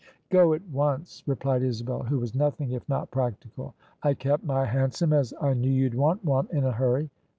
" Go at once," replied Isabel, who was nothing if not practical :" I kept my hansom, as I knew you'd want one in a hurry."